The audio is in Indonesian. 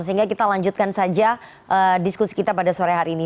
sehingga kita lanjutkan saja diskusi kita pada sore hari ini